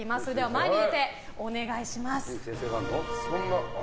前に出てお願いします。